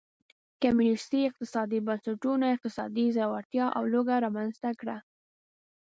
کمونېستي اقتصادي بنسټونو اقتصادي ځوړتیا او لوږه رامنځته کړه.